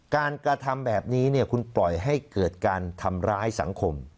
การกระทำแบบนี้คุณปล่อยให้เกิดการทำร้ายสังคม